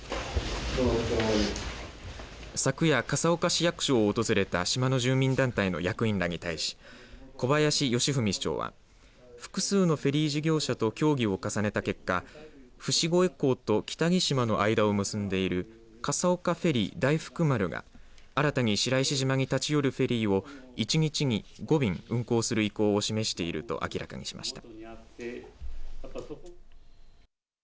昨夜、笠岡市役所を訪れた島の住民団体の役員らに対し小林嘉文市長は複数のフェリー事業者と協議を重ねた結果伏越港と北木島の間を結んでいる笠岡フェリー大福丸が新たに白石島に立ち寄るフェリーを一日に５便運航する意向を示していると明らかにしました。